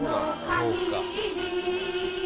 そうか。